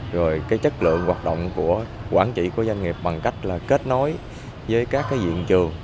rồi chất lượng hoạt động của quản trị của doanh nghiệp bằng cách kết nối với các diện trường